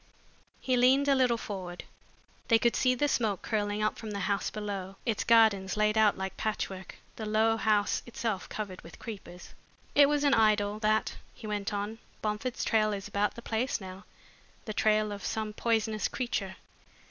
He leaned a little forward. They could see the smoke curling up from the house below, its gardens laid out like patchwork, the low house itself covered with creepers. "It was an idyll, that," he went on. "Bomford's trail is about the place now, the trail of some poisonous creature.